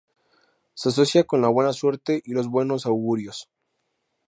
Se asocia con la buena suerte y los buenos augurios.